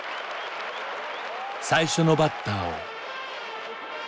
最初のバッターを。